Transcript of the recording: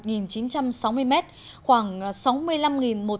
khoảng sáu mươi năm một trăm linh m khối đất đá đã bị sạt lở